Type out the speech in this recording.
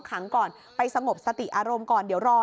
พอหลังจากเกิดเหตุแล้วเจ้าหน้าที่ต้องไปพยายามเกลี้ยกล่อม